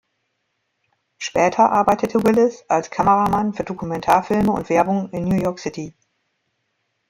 Später arbeitete Willis als Kameramann für Dokumentarfilme und Werbung in New York City.